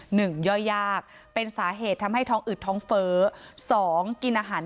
ย่อยยากเป็นสาเหตุทำให้ท้องอืดท้องเฟ้อสองกินอาหาร